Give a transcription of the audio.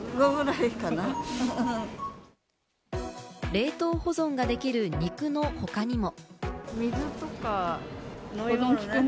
冷凍保存ができる肉の他にも。